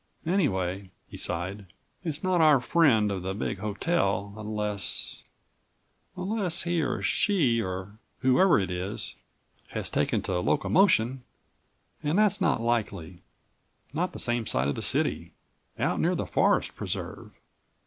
Anyway," he sighed, "it's not our friend of the big hotel unless—unless he or she or whoever it is has taken to locomotion, and that's not likely. Not the same side of the city. Out near the forest preserve."